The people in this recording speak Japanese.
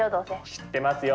知ってますよ！